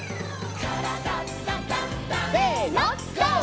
「からだダンダンダン」せのＧＯ！